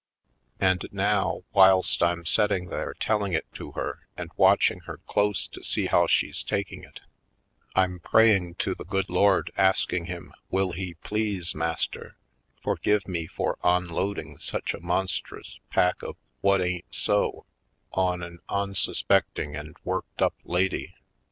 And now, whilst I'm setting there tell ing it to her and watching her close to see how she's taking it, I'm praying to the Sable Plots 211 Good Lord, asking Him will He please, Master, forgive me for onloading such a monstrous pack of what ain't so on an on suspecting and worked up lady.